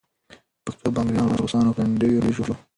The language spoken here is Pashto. پښتو به انګریزانو، روسانو پولېنډو ناروېژو